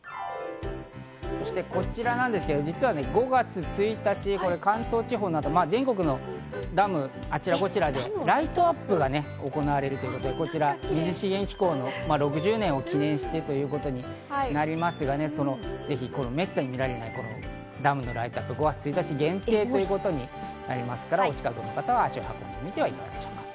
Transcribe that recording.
そしてこちらなんですけど、実は５月１日、関東地方など全国のダム、あちらこちらでライトアップが行われるということで、水資源機構の６０年を記念して、ということになりますが、めったに見られないダムのライトアップ、５月１日限定ということになりますから、お近くの方は足を運んでみてはいかがでしょうか。